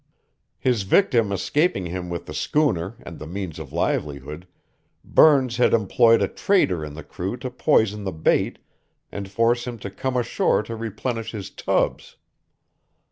His victim escaping him with the schooner and the means of livelihood, Burns had employed a traitor in the crew to poison the bait and force him to come ashore to replenish his tubs.